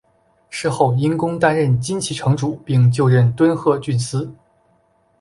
事后因公担任金崎城主并就任敦贺郡司。